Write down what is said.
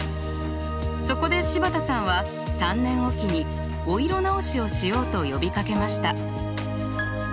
そこで柴田さんは３年置きにお色直しをしようと呼びかけました。